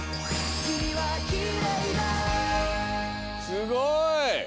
すごい！